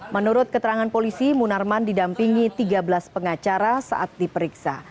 menurut keterangan polisi munarman didampingi tiga belas pengacara saat diperiksa